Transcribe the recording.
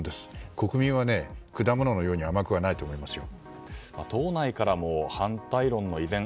国民は果物のように甘くはないと思いますよ。